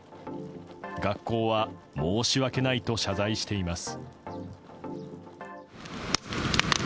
学校は申し訳ないと謝罪しています。